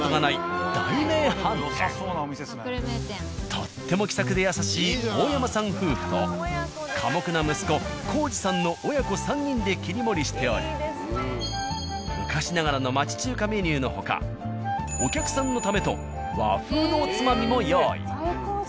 とっても気さくで優しい大山さん夫婦と寡黙な息子浩二さんの親子３人で切り盛りしており昔ながらの町中華メニューの他お客さんのためと和風のおつまみも用意。